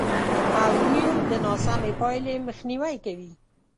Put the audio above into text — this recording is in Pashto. او دوېم د ناسمې پایلې مخنیوی کوي،